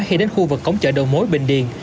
khi đến khu vực cổng chợ đồ mối bình điền